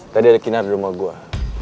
tadi ada kinar di rumah gue